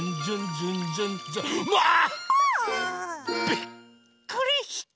びっくりした。